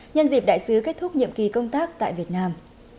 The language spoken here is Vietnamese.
nhân dịp đại sứ kết thúc nhiệm kỳ công tác tại việt nam